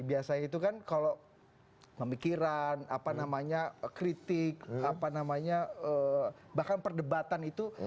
biasanya itu kan kalau pemikiran kritik bahkan perdebatan itu